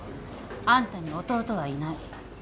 あんたに弟はいない。